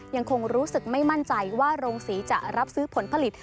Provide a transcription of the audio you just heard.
ยังคงรู้สึกไม่มั่นใจว่าโรงศรีจะรับซื้อผลผลิต